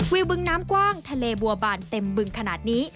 บึงน้ำกว้างทะเลบัวบานเต็มบึงขนาดนี้